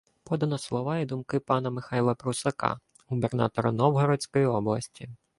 Подано слова і думки пана Михайла Прусака, губернатора Новгородської області